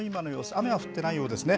雨は降ってないようですね。